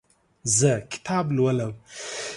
زه کتاب لولم.